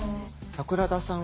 櫻田さん